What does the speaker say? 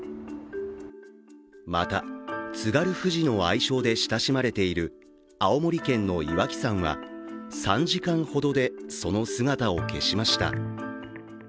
また、津軽富士の愛称で親しまれている青森県の岩木山は３時間ほどで、その姿を消しました。